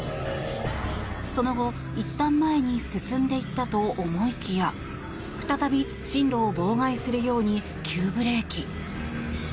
その後、いったん前に進んでいったと思いきや再び進路を妨害するように急ブレーキ。